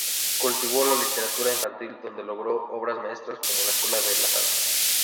Cultivó la literatura infantil, donde logró obras maestras como "La escuela de las hadas".